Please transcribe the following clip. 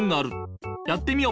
やってみよ。